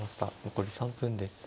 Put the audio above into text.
残り３分です。